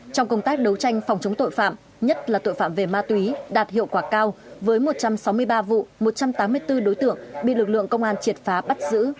trong công tác đấu tranh phòng chống tội phạm nhất là tội phạm về ma túy đạt hiệu quả cao với một trăm sáu mươi ba vụ một trăm tám mươi bốn đối tượng bị lực lượng công an triệt phá bắt giữ